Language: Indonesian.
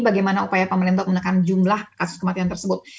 bagaimana upaya pemerintah untuk menekan jumlah kasus kematian tersebut